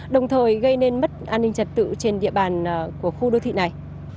đồng thời gây nên mất an ninh trật tự trên địa bàn của khu đô thị này